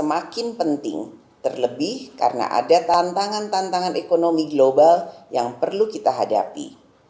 makin penting terlebih karena ada tantangan tantangan ekonomi global yang perlu kita hadapi